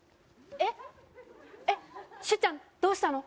えっしゅうちゃんどうしたの？